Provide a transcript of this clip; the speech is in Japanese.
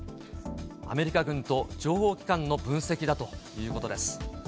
アメリカ軍と情報機関の分析だということです。